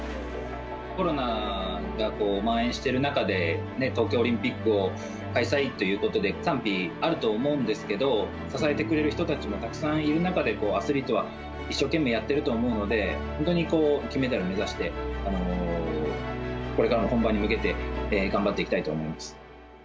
コロナがまん延している中で、東京オリンピックを開催ということで、賛否あると思うんですけど、支えてくれる人たちもたくさんいる中で、アスリートは一生懸命やっていると思うので、本当に金メダルを目指して、これからも本番に向けて、頑張っていきたいと思います。